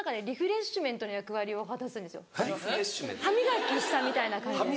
歯磨きしたみたいな感じです。